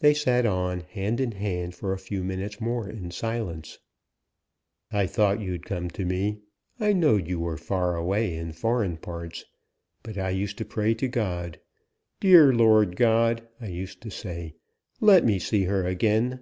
They sat on, hand in hand for a few minutes more in silence. "I thought you'd come to me. I knowed you were far away in foreign parts. But I used to pray to God. 'Dear Lord God!' I used to say, 'let me see her again.'